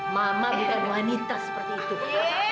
mama bukan wanita seperti itu